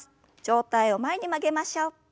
上体を前に曲げましょう。